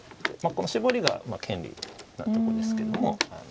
このシボリが権利なとこですけども。